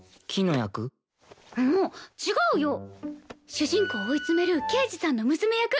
主人公を追い詰める刑事さんの娘役。